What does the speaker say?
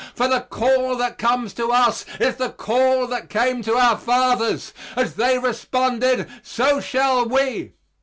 For the call that comes to us is the call that came to our fathers. As they responded so shall we.